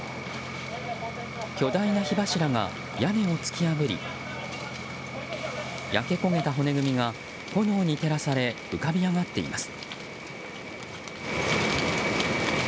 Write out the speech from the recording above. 巨大な火柱が屋根を突き破り焼け焦げた骨組みが炎に照らされ浮かび上がっています。